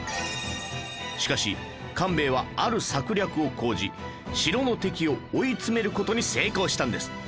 しかし官兵衛はある策略を講じ城の敵を追い詰める事に成功したんです